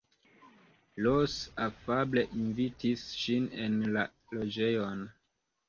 Ros afable invitis ŝin en la loĝejon.